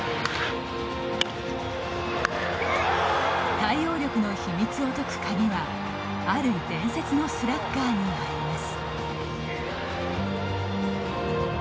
対応力の秘密を解く鍵はある伝説のスラッガーにあります。